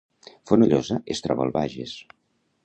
Fonollosa es troba al Bages